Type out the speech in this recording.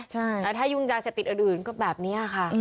ใช่แล้วถ้ายุ่งยาเสพติดอื่นก็แบบนี้ค่ะ